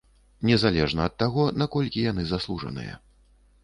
Незалежна ад таго, наколькі яны заслужаныя.